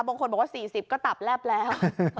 บางคนบอกว่า๔๐ก็ตับแลบแล้ว